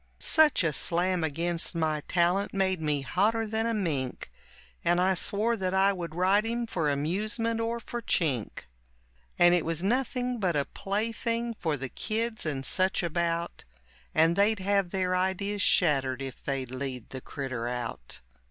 Such a slam against my talent made me hotter than a mink, And I swore that I would ride him for amusement or for chink. And it was nothing but a plaything for the kids and such about, And they'd have their ideas shattered if they'd lead the critter out.